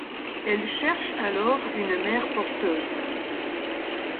Elle cherche alors une mère porteuse.